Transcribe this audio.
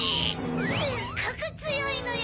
すっごくつよいのよ。